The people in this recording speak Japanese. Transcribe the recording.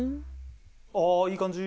ああーいい感じ。